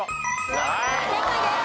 正解です。